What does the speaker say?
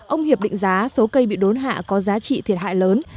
ông hiệp định giá số cây bị đốn hạ có giá trị thiệt hại lớn